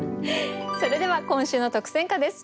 それでは今週の特選歌です。